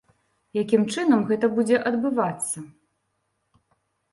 Якім чынам гэта будзе адбывацца?